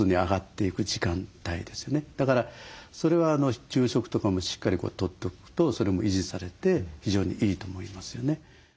だからそれは昼食とかもしっかりとっておくとそれも維持されて非常にいいと思いますよね。